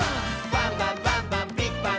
「バンバンバンバンビッグバン！」